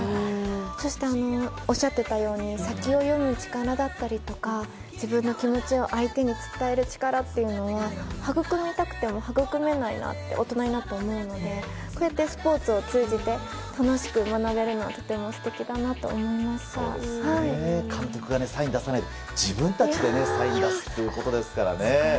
そして、おっしゃっていたように先を読む力だったりとか自分の気持ちを相手に伝える力は育みたくても育めないなって大人になって思うのでこうやってスポーツを通じて楽しく学べるのは監督がサインを出さないで自分たちでサインを出すっていうことですからね。